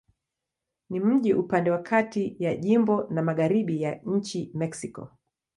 Ni mji upande wa kati ya jimbo na magharibi ya nchi Mexiko.